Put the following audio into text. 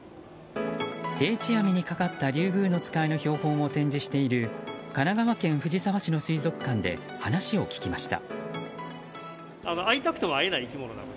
定置網にかかったリュウグウノツカイの標本を展示している神奈川県藤沢市の水族館で話を聞きました。